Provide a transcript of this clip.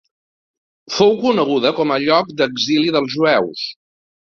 Fou coneguda com a lloc d'exili dels jueus.